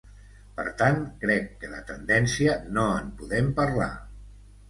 Per tant, crec que de tendència no en podem parlar.